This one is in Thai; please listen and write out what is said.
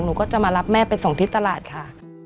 หนูก็จะมารับแม่ไปส่งที่ตลาดค่ะ